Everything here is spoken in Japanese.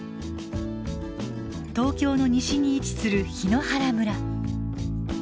東京の西に位置する檜原村。